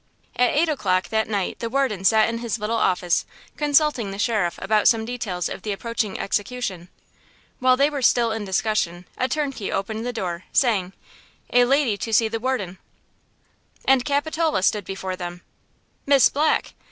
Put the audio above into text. At eight o'clock that night the warden sat in his little office, consulting the sheriff about some details of the approaching execution. While they were still in discussion, a turnkey opened the door, saying: "A lady to see the warden." And Capitola stood before them! "Miss Black!"